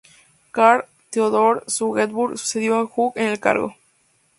Karl- Theodor zu Guttenberg sucedió a Jung en el cargo.